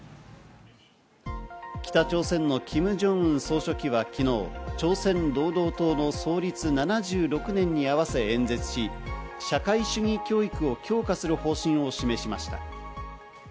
北朝鮮のキム・ジョンウン総書記は昨日、朝鮮労働党の創立７６年に合わせ演説し、社会主義教育を強化する方針を示しました。